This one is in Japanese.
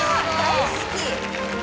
大好き！